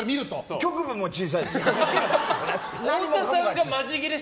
局部も小さいし。